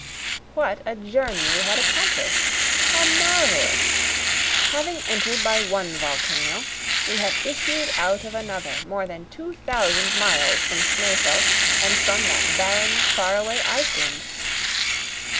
What a journey we had accomplished! How marvellous! Having entered by one volcano, we had issued out of another more than two thousand miles from Snæfell and from that barren, far away Iceland!